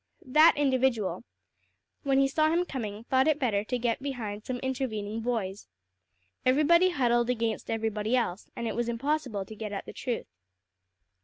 That individual, when he saw him coming, thought it better to get behind some intervening boys. Everybody huddled against everybody else, and it was impossible to get at the truth.